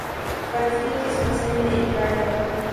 فتوی کس مسئلے میں ایک رائے ہے۔